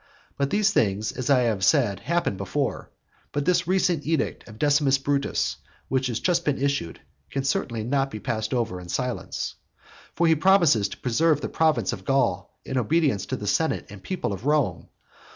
But these things, as I have said, happened before; but this recent edict of Decimus Brutus, which has just been issued, can certainly not be passed over in silence. For he promises to preserve the province of Gaul in obedience to the senate and people of Rome.